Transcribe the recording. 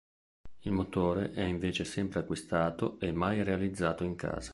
Il motore è invece sempre acquistato e mai realizzato in casa.